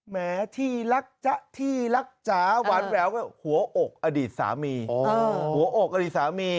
แม้ที่รักจ๊ะที่รักจ๊ะหวานแววหัวอกอดีตสามี